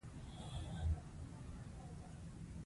موږ باید له چا پور ونه غواړو.